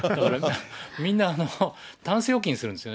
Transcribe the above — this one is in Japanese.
みんな、たんす預金するんですよね。